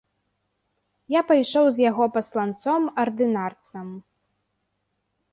Я пайшоў з яго пасланцом ардынарцам.